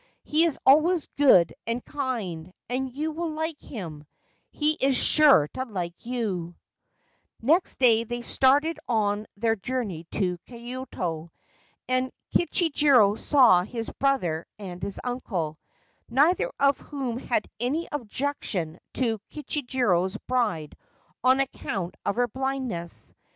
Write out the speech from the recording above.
He is always good and kind, and you will like him — he is sure to like you/ Next day they started on their journey to Kyoto, and Kichijiro saw his brother and his uncle, neither of whom had any objection to Kichijiro's bride on account of her blindness.